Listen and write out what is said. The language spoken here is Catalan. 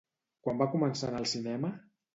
Quan va començar en el cinema?